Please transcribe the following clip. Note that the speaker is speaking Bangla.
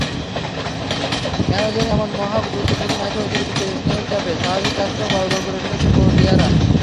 কেন যেন এমন মহাগুরুত্বপূর্ণ ম্যাচে অতিরিক্ত স্নায়ুচাপে স্বাভাবিক কাজটাও গড়বড় করে ফেলে প্রোটিয়ারা।